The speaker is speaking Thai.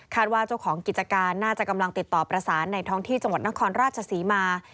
ว่าเจ้าของกิจการน่าจะกำลังติดต่อประสานในท้องที่จังหวัดนครราชศรีมา